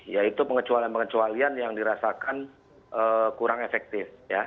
yaitu pengecualian pengecualian yang dirasakan kurang efektif